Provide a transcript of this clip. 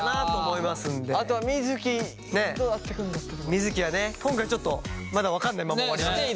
水城はね今回ちょっとまだ分かんないまま終わりました。